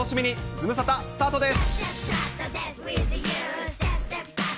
ズムサタスタートです。